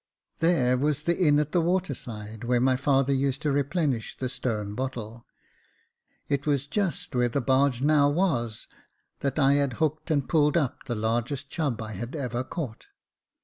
There was the inn at the water side, where my father used to replenish the stone bottle ; it was just where the barge now was, that I had hooked and pulled up the largest chub I had ever caught.